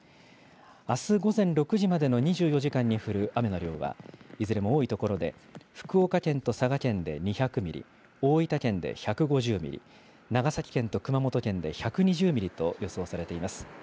あす午前６時までの２４時間に降る雨の量は、いずれも多い所で、福岡県と佐賀県で２００ミリ、大分県で１５０ミリ、長崎県と熊本県で１２０ミリと予想されています。